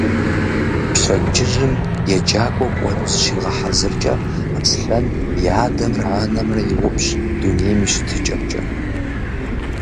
Пщэдджыжьым еджакӀуэ кӀуэну зыщигъэхьэзыркӀэ, Аслъэн и адэмрэ анэмрэ йоупщӀ дунейм и щытыкӀэмкӀэ.